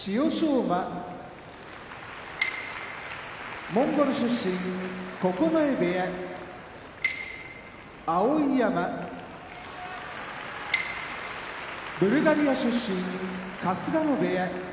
馬モンゴル出身九重部屋碧山ブルガリア出身春日野部屋